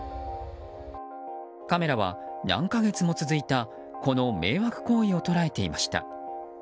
カメラは何か月も続いたこの迷惑行為を捉えていました。